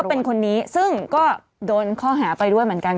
เป็นคนนี้ซึ่งก็โดนข้อหาไปด้วยเหมือนกัน